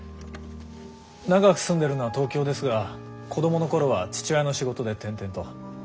長く住んでるのは東京ですが子供の頃は父親の仕事で転々と。